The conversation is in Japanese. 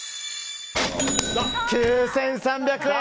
９３００円。